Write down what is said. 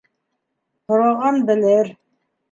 Һораған белер.